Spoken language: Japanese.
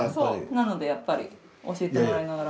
なのでやっぱり教えてもらいながら。